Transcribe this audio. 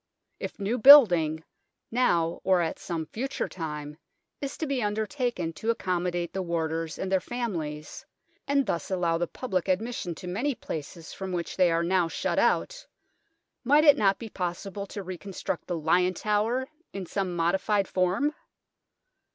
If new building, now or at some future time, is to be undertaken to accommodate the warders and their families, and thus allow the public admission to many places from which they are now shut out, might it not be possible to reconstruct the Lion Tower in some modified form